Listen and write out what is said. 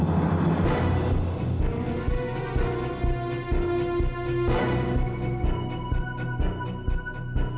bapak akan cabut resu bapak untuk kalian